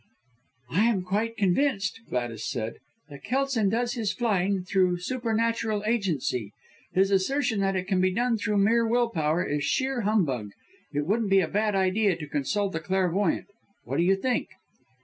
"I am quite convinced," Gladys said, "that Kelson does his flying through supernatural agency. His assertion that it can be done through mere will power, is sheer humbug. It wouldn't be a bad idea to consult a clairvoyant. What do you think?"